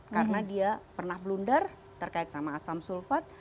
karena dia pernah blunder terkait sama asam sulfat